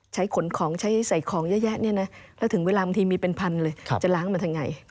ใช้ขนของใช้ให้ใส่ของเยอะแยะแล้วถึงเวลามันทีมีเป็นพันเลยจะล้างมันทางไหน